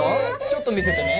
ちょっと見せてね。